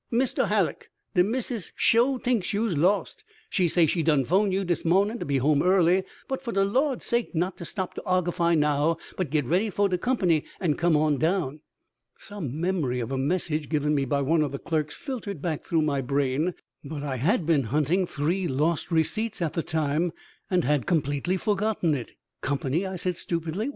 "Misto Hallock, de Missus sho t'inks you's lost! She say she done 'phone you dis mawnin' to be home early, but fo' de lawd's sake not to stop to argify now, but get ready fo' de company an' come on down." Some memory of a message given me by one of the clerks filtered back through my brain, but I had been hunting three lost receipts at the time, and had completely forgotten it. "Company?" I said stupidly.